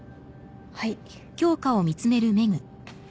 はい。